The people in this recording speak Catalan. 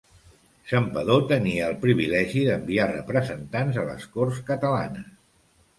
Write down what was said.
Santpedor tenia el privilegi d'enviar representants a les corts catalanes.